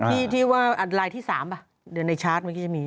ที่ที่ว่าลายที่๓ป่ะเดี๋ยวในชาร์จเมื่อกี้จะมี